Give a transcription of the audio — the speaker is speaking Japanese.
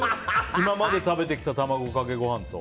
今まで食べてきた卵かけご飯と。